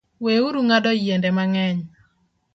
We uru ng’ado nyiende mang’eny